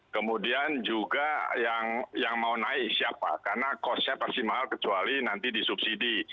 kemudian juga yang mau naik siapa karena costnya pasti mahal kecuali nanti disubsidi